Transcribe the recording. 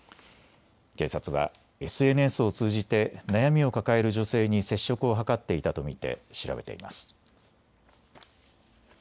警察はＳＮＳを通じて悩みを抱える女性に接触を図っていたと見て調べています。